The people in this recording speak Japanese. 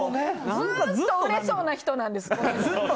ずっと売れそうな人なんです。